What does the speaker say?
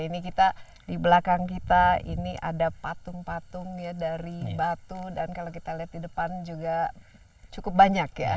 di dalam kita ini ada patung patung dari batu dan kalau kita lihat di depan juga cukup banyak ya